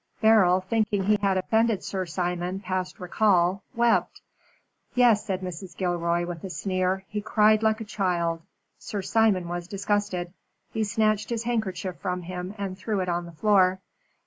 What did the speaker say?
Beryl, thinking he had offended Sir Simon past recall, wept. Yes," said Mrs. Gilroy, with a sneer, "he cried like a child. Sir Simon was disgusted. He snatched his handkerchief from him, and threw it on the floor.